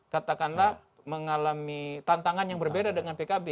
katakanlah mengalami tantangan yang berbeda dengan pkb